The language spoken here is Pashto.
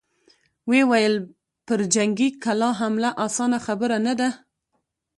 ويې ويل: پر جنګي کلا حمله اسانه خبره نه ده!